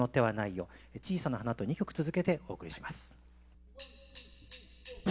「小さな花」と２曲続けてお送りします。